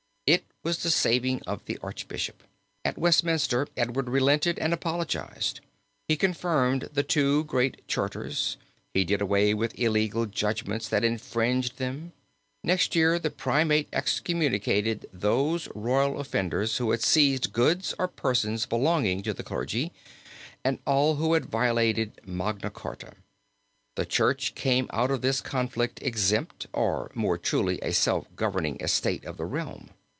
It was the saving of the archbishop. At Westminster Edward relented and apologized. He confirmed the two great charters; he did away with illegal judgments that infringed them. Next year the primate excommunicated those royal officers who had seized goods or persons belonging to the clergy, and all who had violated Magna Charta. The Church came out of this conflict exempt, or, more truly a self governing estate of the realm.